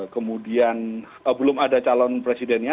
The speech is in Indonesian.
kemudian belum ada calon presidennya